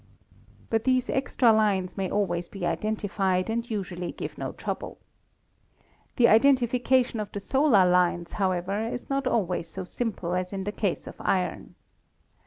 But these extra lines may al ways be identified, and usually give no trouble. The iden tification of the solar lines, however, is not always so sim ple as in the case of iron.